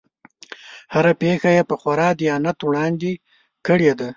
هره پېښه یې په خورا دیانت وړاندې کړې ده.